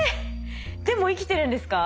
でも生きてるんですか？